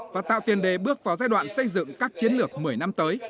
và tạo tiền đề bước vào giai đoạn xây dựng các chiến lược một mươi năm tới